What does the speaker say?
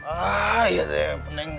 ah iya deh neng